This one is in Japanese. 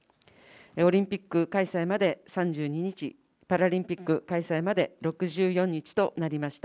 オリンピック開催まで３２日、パラリンピック開催まで６４日となりました。